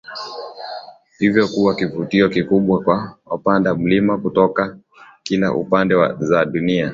hivyo kuwa kivutio kikubwa kwa wapanda milima kutoka kila pande za dunia